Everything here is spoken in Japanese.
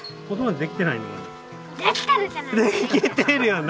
できてるよな？